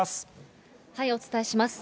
お伝えします。